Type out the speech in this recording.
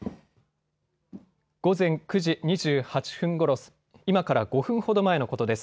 午前９時２８分ごろ、今から５分ほど前のことです。